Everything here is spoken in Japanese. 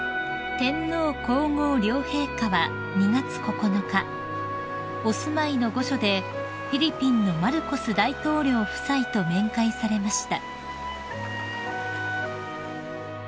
［天皇皇后両陛下は２月９日お住まいの御所でフィリピンのマルコス大統領夫妻と面会されました］